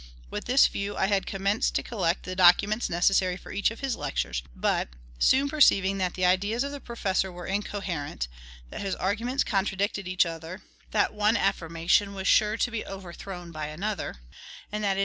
With this view, I had commenced to collect the documents necessary for each of his lectures, but, soon perceiving that the ideas of the professor were incoherent, that his arguments contradicted each other, that one affirmation was sure to be overthrown by another, and that in M.